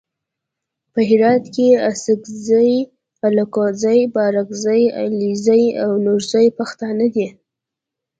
په هرات کې اڅګزي الکوزي بارګزي علیزي او نورزي پښتانه دي.